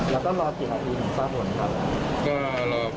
แล้วก็รอสี่สัปดาห์ทีถึงสร้างผลครับ